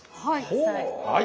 はい。